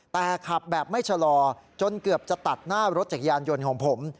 แต่ขับแบบไม่ชะลอจนเกือบจะตัดหน้ารถจักรยานยนต์ของผม